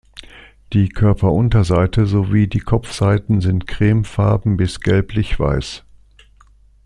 Die Körperunterseite sowie die Kopfseiten sind cremefarben bis gelblich Weiß.